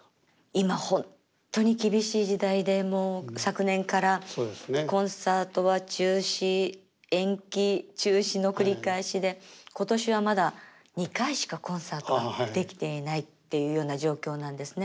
今本当に厳しい時代でもう昨年からコンサートは中止延期中止の繰り返しで今年はまだ２回しかコンサートができていないっていうような状況なんですね。